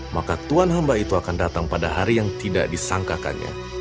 maka tuhan hamba itu akan datang pada hari yang tidak disangkakannya